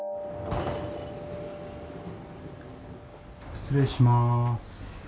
失礼します。